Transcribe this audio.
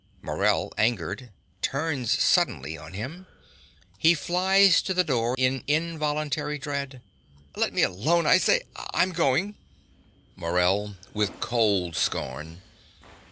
(Morell, angered, turns suddenly on him. He flies to the door in involuntary dread.) Let me alone, I say. I'm going. MORELL (with cold scorn).